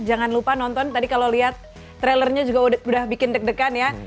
jangan lupa nonton tadi kalau lihat trailernya juga udah bikin deg degan ya